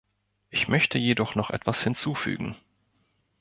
Ich möchte jedoch noch etwas hinzufügen.